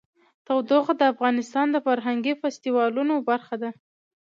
تودوخه د افغانستان د فرهنګي فستیوالونو برخه ده.